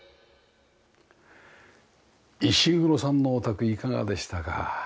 石黒さんのお宅いかがでしたか？